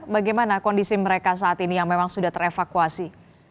bagaimana kondisi mereka saat ini yang memang sudah terevakuasi